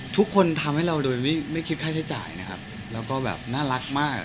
ทำให้เราโดยไม่คิดค่าใช้จ่ายนะครับแล้วก็แบบน่ารักมาก